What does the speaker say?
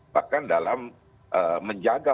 bahkan dalam menjaga